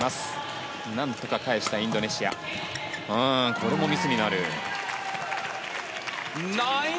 これもミスになった。